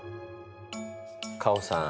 カホさん